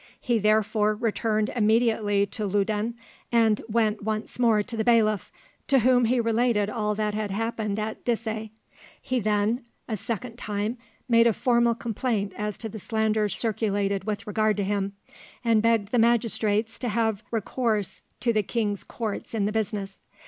He therefore returned immediately to Loudun, and went once more to the bailiff, to whom he related all that had happened at Dissay; he then, a second time, made a formal complaint as to the slanders circulated with regard to him, and begged the magistrates to have recourse to the king's courts in the business.